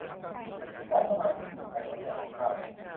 พร้อมสมาชิกหนุ่มไทยคนแรกของค่าย